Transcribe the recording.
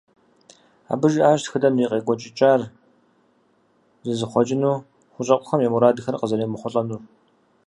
Абы жиӀащ тхыдэм и къекӀуэкӀыкӀар зэзыхъуэкӀыну хущӀэкъухэм я мурадхэр къазэремыхъулӀэнур.